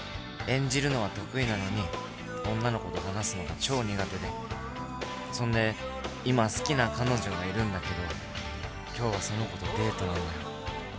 演じるのは得意なのに、女の子と話すのが超苦手で、そんで、今好きな彼女がいるんだけど、今日はその子とデートなんだよ。